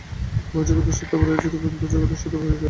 বহির্জগতের সত্তা অপরিহার্য-রূপে অন্তর্জগতের সত্তার সহিত বিজড়িত।